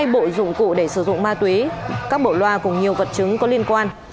hai bộ dụng cụ để sử dụng ma túy các bộ loa cùng nhiều vật chứng có liên quan